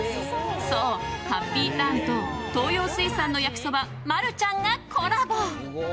そう、ハッピーターンと東洋水産の焼きそばマルちゃんがコラボ。